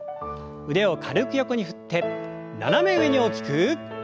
腕を軽く横に振って斜め上に大きく。